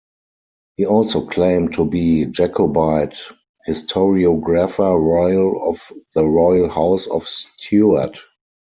He also claimed to be Jacobite Historiographer Royal of the Royal House of Stewart.